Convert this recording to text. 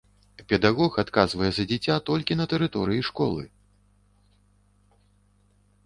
Педагог адказвае за дзіця толькі на тэрыторыі школы.